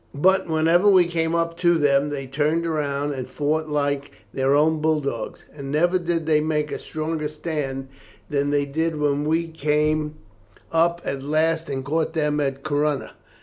But whenever we came up to them they turned round and fought like their own bull dogs; and never did they make a stronger stand than they did when we came up at last and caught them at Corunna.